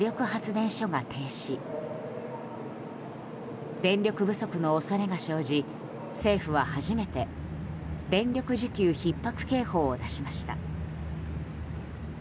電力不足の恐れが生じ政府は初めて電力需給ひっ迫警報を出しました。